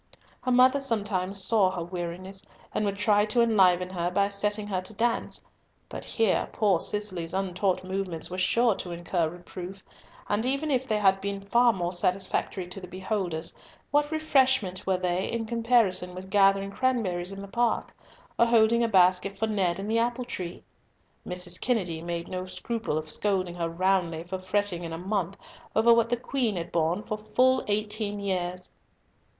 Her mother sometimes saw her weariness, and would try to enliven her by setting her to dance, but here poor Cicely's untaught movements were sure to incur reproof; and even if they had been far more satisfactory to the beholders, what refreshment were they in comparison with gathering cranberries in the park, or holding a basket for Ned in the apple tree? Mrs. Kennedy made no scruple of scolding her roundly for fretting in a month over what the Queen had borne for full eighteen years.